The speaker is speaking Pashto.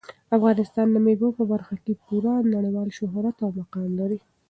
افغانستان د مېوو په برخه کې پوره نړیوال شهرت او مقام لري.